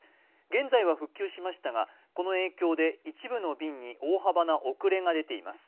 現在は復旧しましたがこの影響で一部の便に大幅な遅れが出ています。